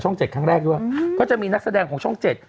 เจ็ดครั้งแรกด้วยก็จะมีนักแสดงของช่องเจ็ด